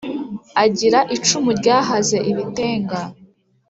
agira icumu ryahaze ibitenga,